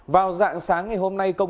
vào dạng sáng ngày hôm nay